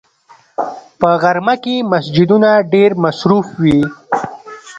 په غرمه کې مسجدونه ډېر مصروف وي